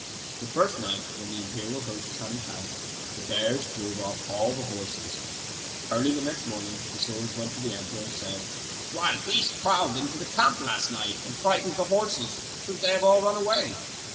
The first night, when the imperial host had encamped, the bears drove off all the horses. Early the next morning the sol diers went to the emperor and said, "Wild beasts prowled into the camp last night and frightened the horses so that they have all run away."